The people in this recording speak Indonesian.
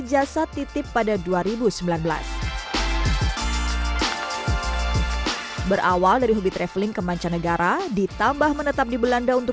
jasa titip pada dua ribu sembilan belas berawal dari hobi traveling ke mancanegara ditambah menetap di belanda untuk